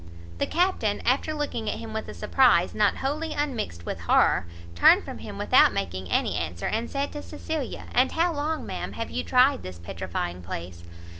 The Captain, after looking at him with a surprise not wholly unmixt with horror, turned from him without making any answer, and said to Cecilia, "And how long, ma'am, have you tried this petrifying place?"